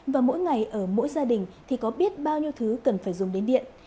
và mỗi ngày ở mỗi gia đình thì có biết bao nhiêu thứ cần phải dùng đến điện